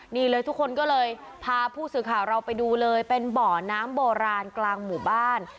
นี่เลยทุกคนก็เลยพาผู้สื่อข่าวเราไปดูเลยเป็นบ่อน้ำโบราณกลางหมู่บ้าน